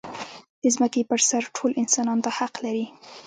د ځمکې پر سر ټول انسانان دا حق لري.